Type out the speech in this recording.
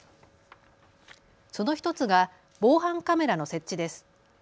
その１つが防犯カメラの設置です。